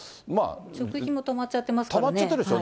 職域も止まっちゃってますよね。